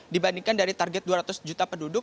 dibandingkan dari target dua ratus juta penduduk